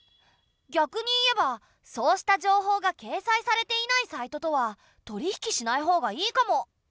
逆に言えばそうした情報が掲載されていないサイトとは取り引きしないほうがいいかも。